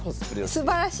すばらしい！